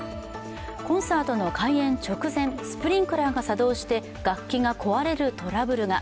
コンサートの開演直前、スプリンクラーが作動して楽器が壊れるトラブルが。